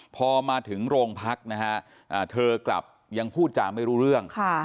พอมาถึงโรงพักนะฮะเธอกลับยังพูดจาไม่รู้เรื่อง